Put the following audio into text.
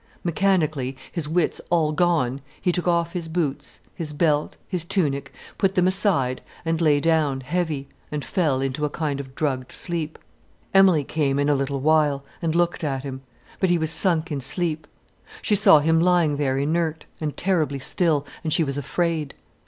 Mechanically, his wits all gone, he took off his boots, his belt, his tunic, put them aside, and lay down, heavy, and fell into a kind of drugged sleep. Emilie came in a little while, and looked at him. But he was sunk in sleep. She saw him lying there inert, and terribly still, and she was afraid.